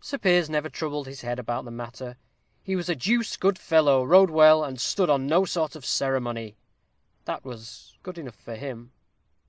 Sir Piers never troubled his head about the matter: he was a "deuced good fellow rode well, and stood on no sort of ceremony;" that was enough for him.